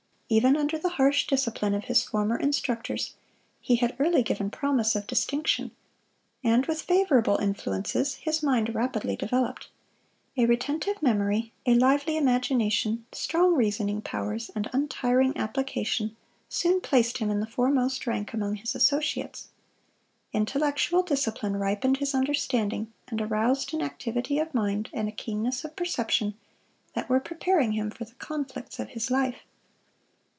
Even under the harsh discipline of his former instructors, he had early given promise of distinction; and with favorable influences his mind rapidly developed. A retentive memory, a lively imagination, strong reasoning powers, and untiring application, soon placed him in the foremost rank among his associates. Intellectual discipline ripened his understanding, and aroused an activity of mind and a keenness of perception that were preparing him for the conflicts of his life.